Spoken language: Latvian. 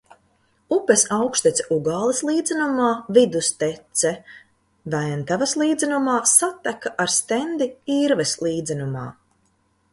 Upes augštece Ugāles līdzenumā, vidustece Ventavas līdzenumā, sateka ar Stendi – Irves līdzenumā.